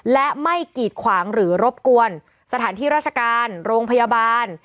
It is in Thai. และไม่กีดขวางหรือรบกวนสถานที่ราชการโรงพยาบาล